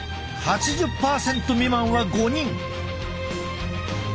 ８０％未満は５人。